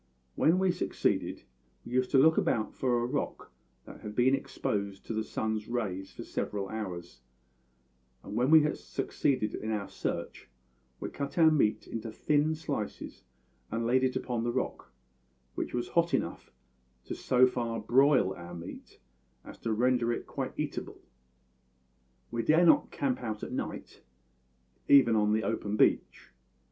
When we succeeded, we used to look about for a rock that had been exposed to the sun's rays for several hours, and when we had succeeded in our search we cut our meat into thin slices and laid it upon the rock, which was hot enough to so far broil our meat as to render it quite eatable. "We dared not camp out at night, even on the open beach.